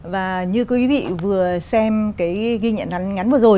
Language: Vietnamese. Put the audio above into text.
và như quý vị vừa xem cái ghi nhận ngắn vừa rồi